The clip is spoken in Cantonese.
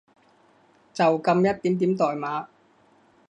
就噉一點點代碼